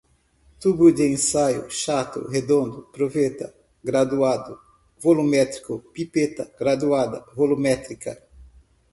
tubo de ensaio, chato, redondo, proveta, graduado, volumétrico, pipeta graduada, volumétrica